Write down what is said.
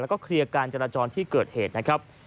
แล้วก็เคลียร์การจราจรที่เกิดเหตุนะครับ